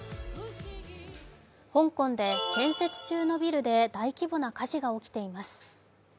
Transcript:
香港で建設中のビルで大規模な火事が起きています。